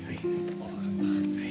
はい。